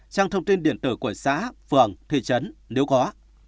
trang thông tin điện tử của xã phường thị trấn nếu có